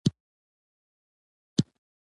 پټ چي هر څه په دربار کي تېرېدله